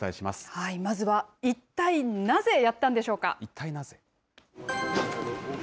まずは一体なぜやったんでしょうか。